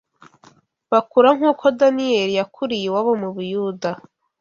bakura nk’uko Daniyeli yakuriye iwabo mu Buyuda